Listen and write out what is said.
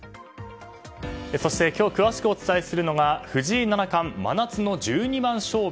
そして今日、詳しくお伝えするのが藤井七冠、真夏の十二番勝負？